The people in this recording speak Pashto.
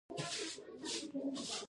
واخان خلک ولې مالدار دي؟